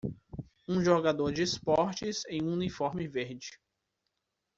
Um jogador de esportes em um uniforme verde.